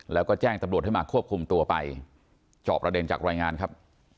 แล้วก็แจ้งตำรวจให้มาควบคุมตัวไปจอบประเด็นจากรายงานครับ